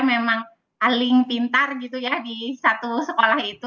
memang paling pintar gitu ya di satu sekolah itu